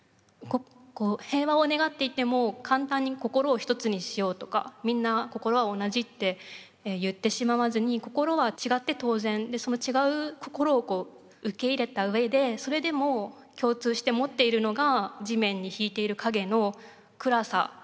平和を願っていても簡単に心を一つにしようとかみんな心は同じって言ってしまわずに心は違って当然その違う心を受け入れた上でそれでも共通して持っているのが地面にひいている影の暗さ。